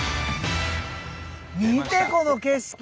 見てこの景色。